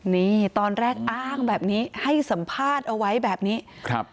นี่ตอนแรกอ้างแบบนี้ให้สัมภาษณ์เอาไว้แบบนี้ครับ